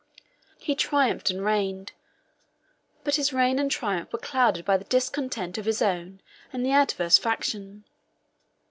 34 He triumphed and reigned; but his reign and triumph were clouded by the discontent of his own and the adverse faction.